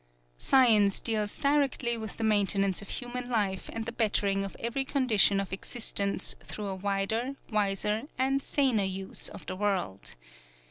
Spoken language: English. Science deals directly with the maintenance of human life and the bettering of every condition of existence through a wider, wiser and saner use of the world.